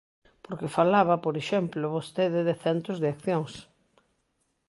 Porque falaba, por exemplo, vostede de centos de accións.